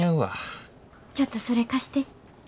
ちょっとそれ貸して。